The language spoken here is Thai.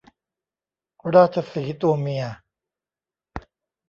ราชสีห์ตัวเมีย